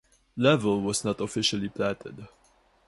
Level was not officially platted.